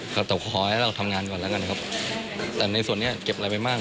ตกก็ขอให้เราทำงานก่อนแล้วกันครับแต่ในส่วนนี้เก็บอะไรไปมาก